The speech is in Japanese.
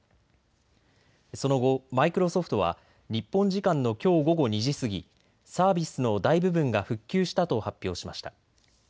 その後、マイクロソフトは日本時間のきょう午後２時過ぎ、サービスの大部分が復旧したと発表しました。